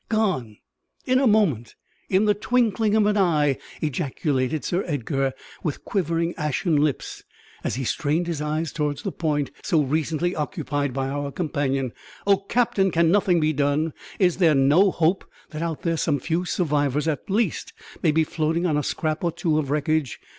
"Gone in a moment, in the twinkling of an eye!" ejaculated Sir Edgar, with quivering, ashen lips, as he strained his eyes toward the point so recently occupied by our companion. "Oh, captain, can nothing be done? Is there no hope that out there some few survivors at least may be floating on a scrap or two of wreckage?